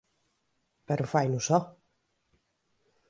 Pero faino só.